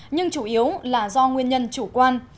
nhưng chủ yếu là do nguyên nhân chủ quan